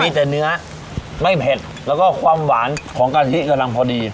มีแต่เนื้อไม่เผ็ดแล้วก็ความหวานของกะทิกำลังพอดี